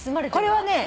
これはね